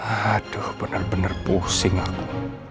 aduh bener bener pusing aku